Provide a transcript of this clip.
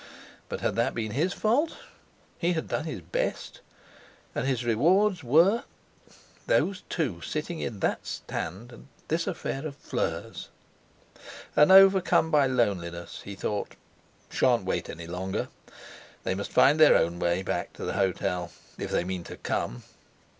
But had that been his fault? He had done his best. And his rewards were—those two sitting in that Stand, and this affair of Fleur's! And overcome by loneliness he thought: 'Shan't wait any longer! They must find their own way back to the hotel—if they mean to come!'